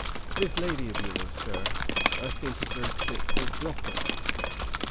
'This lady of yours, Sir, I think, is very fit for a brothel.'